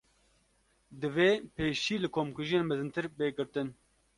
Divê pêşî li komkujiyên mezintir, bê girtin